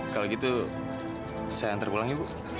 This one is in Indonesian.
kalau gitu saya antar pulang ya bu